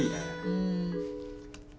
うん。